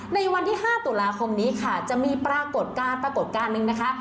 ในวันที่๕ตุลาคมนี้ค่ะจะมีปรากฏการณ์ปรากฏการณ์หนึ่งนะคะ